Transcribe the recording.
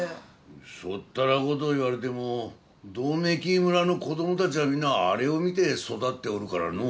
そっただこと言われても百目鬼村の子供たちはみんなあれを見て育っておるからのう。